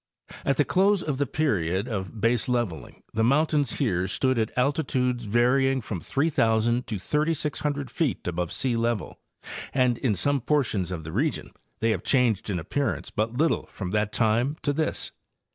At the close of the period of baseleveling the mountains here stood at altitudes varying from 3,000 to 3,600 feet above sealevel, and in some portions of the region they have changed in appearance but little from that time to this.